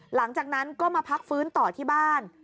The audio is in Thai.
หลังจากนั้นก็มาพักฟื้นต่อที่บ้าน